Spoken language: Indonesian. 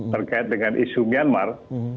terkait dengan isu myanmar